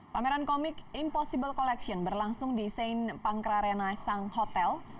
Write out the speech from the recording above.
pameran komik impossible collection berlangsung di st pankra rena sang hotel